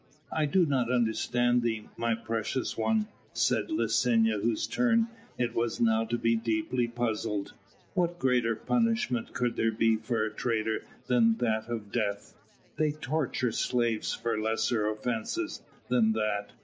"I do not understand thee, my precious one," said Licinia whose turn it was now to be deeply puzzled; "what greater punishment could there be for a traitor than that of death?" "They torture slaves for lesser offences than that."